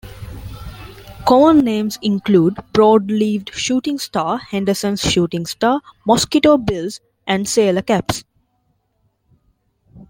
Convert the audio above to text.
Common names include broad-leaved shooting star, Henderson's shooting star, mosquito bills, and sailor caps.